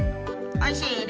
おいしい？